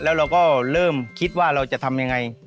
แล้วเราก็เริ่มคิดว่าเราจะทำยังไง